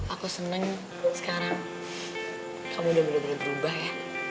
aku seneng sekarang kamu udah bener bener berubah ya